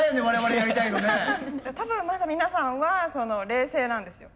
多分まだ皆さんは冷静なんですよ。